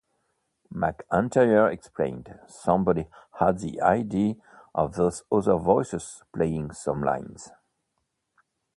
McEntire explained, somebody had the idea of those other voices playing some lines.